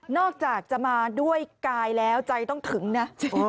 อกจากจะมาด้วยกายแล้วใจต้องถึงนะ